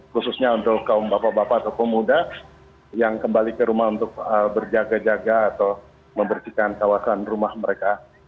khususnya untuk kaum bapak bapak atau pemuda yang kembali ke rumah untuk berjaga jaga atau membersihkan kawasan rumah mereka